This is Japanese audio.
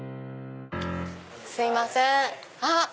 すいません。